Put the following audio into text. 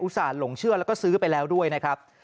ส่าหลงเชื่อแล้วก็ซื้อไปแล้วด้วยนะครับ